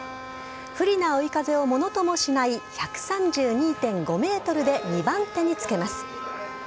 不利な追い風をものともしない、１３２．５メートルで２番手につけます。